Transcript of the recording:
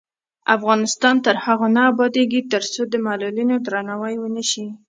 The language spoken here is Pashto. افغانستان تر هغو نه ابادیږي، ترڅو د معلولینو درناوی ونشي.